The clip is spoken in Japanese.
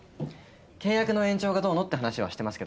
契約の延長がどうのって話はしてますけど。